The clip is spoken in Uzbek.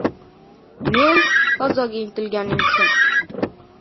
Men — fazoga intilgan inson!